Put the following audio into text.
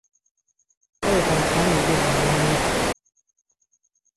bụkwa nke a na-edebànye n'efu.